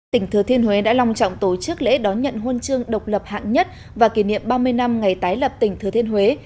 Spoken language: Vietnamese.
tỉnh thừa thiên huế đã long trọng tổ chức lễ đón nhận huân chương độc lập hạng nhất và kỷ niệm ba mươi năm ngày tái lập tỉnh thừa thiên huế